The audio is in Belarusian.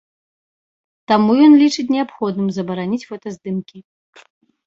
Таму ён лічыць неабходным забараніць фотаздымкі.